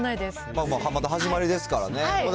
まあまあ、また始まりですからね。